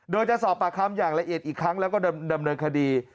โดยจะสอบปากคำอย่างละเอียดอีกครั้งแล้วก็ดำเนินคดี